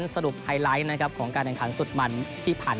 สรุปไฮไลท์ของนักอัน